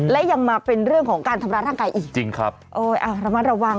และยังมาเป็นเรื่องของการทำร้ายร่างกายอีกจริงครับโอ้ยอ่ะระมัดระวัง